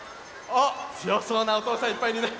おっつよそうなおとうさんいっぱいいるね。